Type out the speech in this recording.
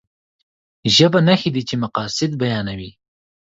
ژبه نښې دي چې مقاصد بيانوي.